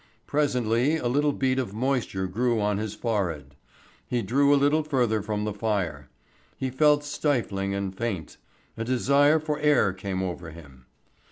Presently a little bead of moisture grew on his forehead. He drew a little further from the fire. He felt stifling and faint, a desire for air came over him.